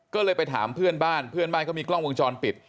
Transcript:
ก็เลยไปถามเพื่อนบ้านเพื่อนบ้านเขามีกล้องวงจรปิด